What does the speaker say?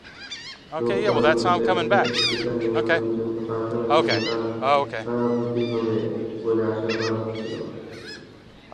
রোববার অন্তত একজন স্পিকার নির্বাচনের জন্য পার্লামেন্টে ভোটাভুটি হবে বলে আশা করা হচ্ছিল।